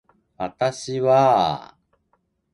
私はあ